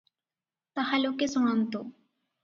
ତାହା ଲୋକେ ଶୁଣନ୍ତୁ